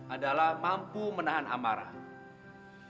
adalah mampu menahan amarah